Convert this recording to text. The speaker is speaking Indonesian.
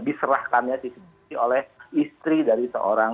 diserahkannya oleh istri dari seorang